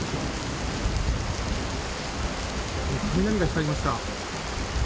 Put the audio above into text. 雷が光りました。